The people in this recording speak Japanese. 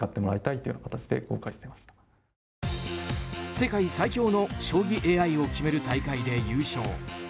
世界最強の将棋ＡＩを決める大会で優勝。